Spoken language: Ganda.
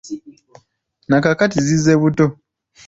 Na kaakati zizze buto.